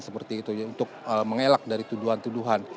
seperti itu untuk mengelak dari tuduhan tuduhan